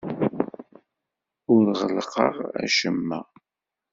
Ur ɣellqeɣ acemma.